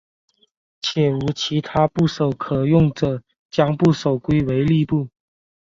且无其他部首可用者将部首归为立部。